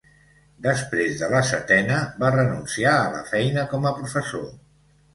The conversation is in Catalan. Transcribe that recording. Després de la setena va renunciar a la feina com a professor.